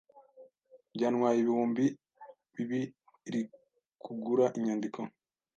Byantwaye ibihumbi bibirikugura inyandiko.